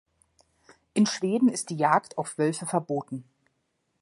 In Schweden ist die Jagd auf Wölfe verboten.